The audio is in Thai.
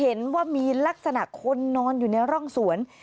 เห็นว่ามีลักษณะคนนอนอยู่ในร่องสวน